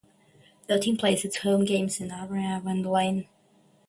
The team plays its home games in Arima Veladrome.